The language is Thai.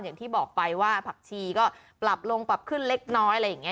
อย่างที่บอกไปว่าผักชีก็ปรับลงปรับขึ้นเล็กน้อยอะไรอย่างนี้